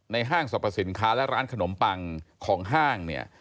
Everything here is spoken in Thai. ในห้างสอบสินค้าและร้านขนมปังของห้าง